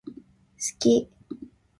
好き